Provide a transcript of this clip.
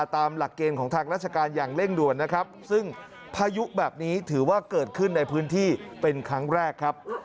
ตามหลักเกณฑ์ของทางราชการอย่างเร่งด่วนนะครับซึ่งพายุแบบนี้ถือว่าเกิดขึ้นในพื้นที่เป็นครั้งแรกครับ